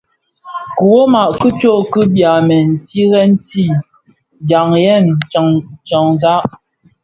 Kiwoma ki tsok bi byamèn tyèn ti dhayen tyanzag.